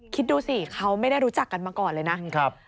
คิดดูสิเขาไม่ได้รู้จักกันมาก่อนเลยนะ